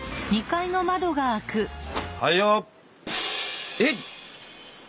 はいよ！え！？